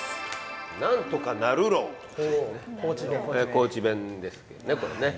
高知弁ですけどねこれね。